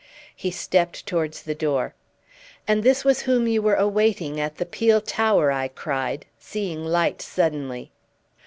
He stepped towards the door. "And this was whom you were awaiting at the peel tower!" I cried, seeing light suddenly.